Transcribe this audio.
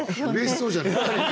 嬉しそうじゃない。